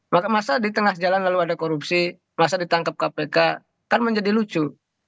maka masa di tengah jalan lalu ada korupsi masa ditangkap kpk kan menjadi lucu